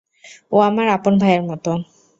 ও আমার আপন ভাইয়ের মতো।